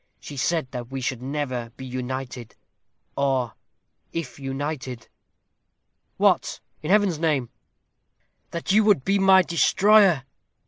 She said that we never should be united; or, if united ?" "What, in Heaven's name?" "That you would be my destroyer.